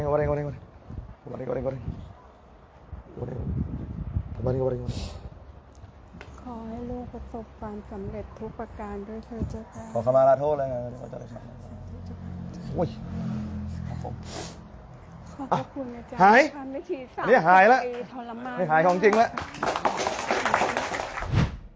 ขอบคุณนะจ๊ะนี่หายแล้วทรมานไม่หายของจริงแล้ว